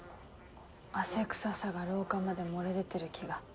汗臭さが廊下まで漏れ出てる気が。